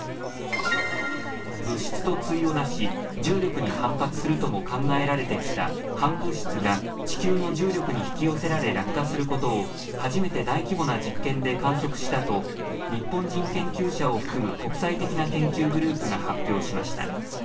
物質と対をなし重力に反発するとも考えられてきた、反物質が地球の重力に引き寄せられ落下することを初めて大規模な実験で観測したと日本人研究者を含む国際的な研究グループが発表しました。